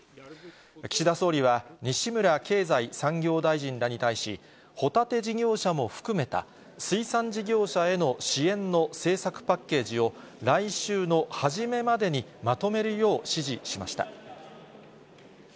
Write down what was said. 岸田総理は、西村経済産業大臣らに対し、ホタテ事業者も含めた、水産事業者への支援の政策パッケージを、来週の初めまでにまとめるよう指示しました。